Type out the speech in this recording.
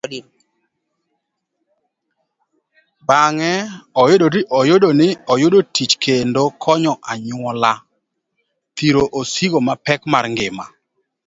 Bang'e oyudo tich kendo konyo anyuola dhiro osigo mapek mar ngima.